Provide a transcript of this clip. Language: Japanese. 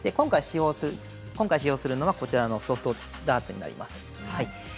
今回、使用するのは、こちらのソフトダーツになります。